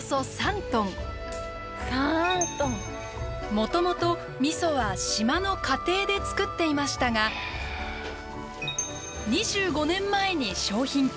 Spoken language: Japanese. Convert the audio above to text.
もともとみそは島の家庭で造っていましたが２５年前に商品化。